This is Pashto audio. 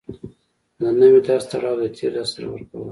د نوي درس تړاو د تېر درس سره ورکول